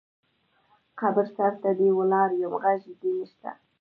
قبر سرته دې ولاړ یم غږ دې نه شــــته